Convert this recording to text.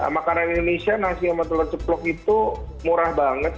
makanan indonesia nasi sama telur ceplok itu murah banget